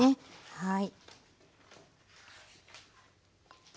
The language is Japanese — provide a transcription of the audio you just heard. はい。